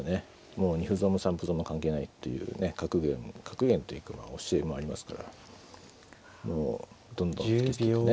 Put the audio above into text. もう２歩損も３歩損も関係ないっていうね格言というか教えもありますからもうどんどん突き捨ててね。